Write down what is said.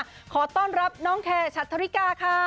ขอต้อนรับน้องแคร์ชัดทริกาค่ะ